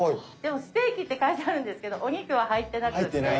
でも「ステーキ」って書いてあるんですけどお肉は入ってなくて。